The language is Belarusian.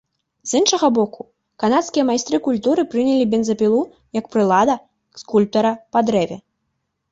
З іншага боку, канадскія майстры культуры прынялі бензапілу як прылада скульптара па дрэве.